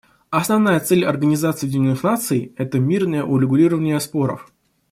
Основная цель Организации Объединенных Наций — это мирное урегулирование споров.